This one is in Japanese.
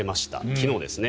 昨日ですね。